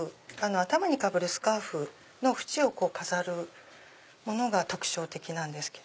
頭にかぶるスカーフ縁を飾るのが特徴的なんですけれど。